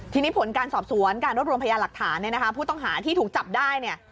ทีนี้ผลการสอบสวนการรวบรวมพยานหลักฐานเนี่ยนะคะผู้ต้องหาที่ถูกจับได้เนี่ย